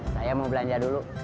saya mau belanja dulu